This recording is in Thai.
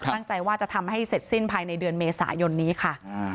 ตั้งใจว่าจะทำให้เสร็จสิ้นภายในเดือนเมษายนนี้ค่ะ